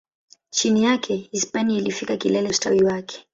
Chini yake, Hispania ilifikia kilele cha ustawi wake.